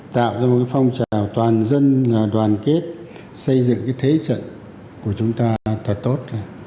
tạo ra một phong trào toàn dân đoàn kết xây dựng thế trận của chúng ta thật tốt